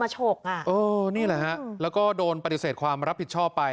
แล้วดวงคิดดูสิคือที่คุณแอปเปิ้ลเจออะ